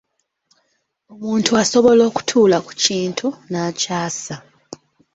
Omuntu asobola okutuula ku kintu n'akyasa.